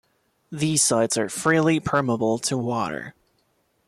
These sites are freely permeable to water.